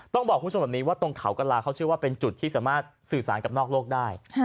ต้องบอกคุณผู้ชมแบบนี้ว่าตรงเขากระลาเขาเชื่อว่าเป็นจุดที่สามารถสื่อสารกับนอกโลกได้